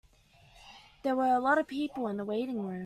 There were a lot of people in the waiting room.